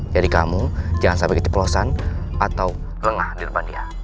jadi kamu jangan sampai ketik pelosan atau lengah di depan dia